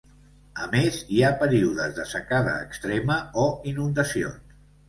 A més hi ha períodes de secada extrema o inundacions.